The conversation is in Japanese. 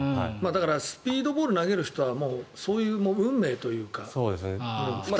だからスピードボール投げる人はそういう運命というか。